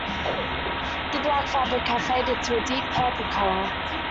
The black fabric had faded to a deep purple colour.